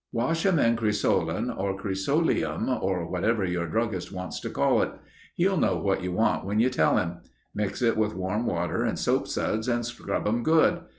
"Wash 'em in cresolin or cresoleum or whatever your druggist wants to call it. He'll know what you want when you tell him. Mix it with warm water and soapsuds and scrub 'em good.